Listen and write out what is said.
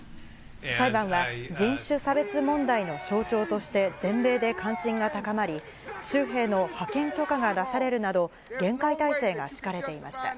裁判は、人種差別問題の象徴として、全米で関心が高まり、州兵の派遣許可が出されるなど、厳戒態勢が敷かれていました。